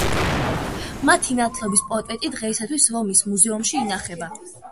მათი ნათლობის პორტრეტი დღეისათვის რომის მუზეუმში ინახება.